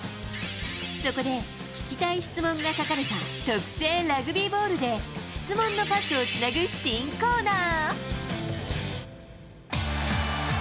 そこで、聞きたい質問が書かれた特製ラグビーボールで、質問のパスをつなぐ新コーナー。